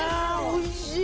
おいしい。